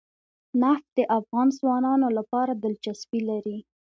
نفت د افغان ځوانانو لپاره دلچسپي لري.